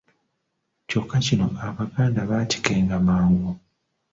Kyokka kino Abaganda baakikenga mangu